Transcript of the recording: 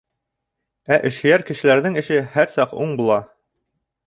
Ә эшһөйәр кешеләрҙең эше һәр саҡ уң була.